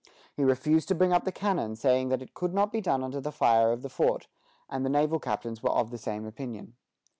" He refused to bring up the cannon, saying that it could not be done under the fire of the fort; and the naval captains were of the same opinion.